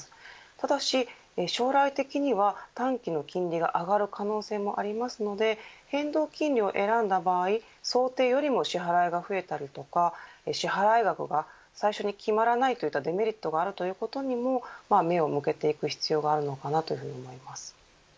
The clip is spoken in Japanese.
ただし将来的には短期の金利が上がる可能性もありますので変動金利を選んだ場合想定よりも支払いが増えたり支払い額が最初に決まらないといったデメリットがあるということにも目を向けていく必要があるのかなというふうに思います。